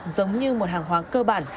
giống như một hàng hóa cơ bản